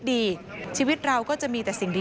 ยึดมั่นในหลักธรรมที่พระครูบาบุญชุมท่านได้สอนเอาไว้ค่ะ